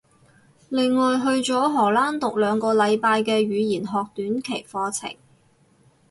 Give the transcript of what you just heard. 另外去咗荷蘭讀兩個禮拜嘅語言學短期課程